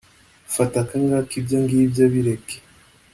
- fata aka ngaka, ibyo ngibyo bireke.